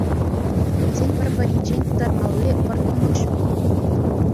Вӗсен пӗр-пӗринчен пытармалли вӑрттӑнлӑх ҫук.